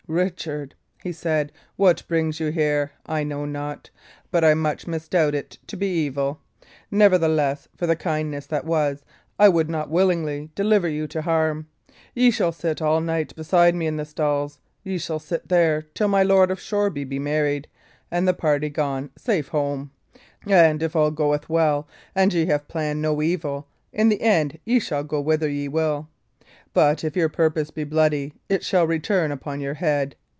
"Richard," he said, "what brings you here, I know not; but I much misdoubt it to be evil. Nevertheless, for the kindness that was, I would not willingly deliver you to harm. Ye shall sit all night beside me in the stalls: ye shall sit there till my Lord of Shoreby be married, and the party gone safe home; and if all goeth well, and ye have planned no evil, in the end ye shall go whither ye will. But if your purpose be bloody, it shall return upon your head.